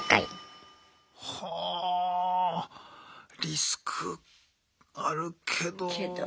リスクあるけど。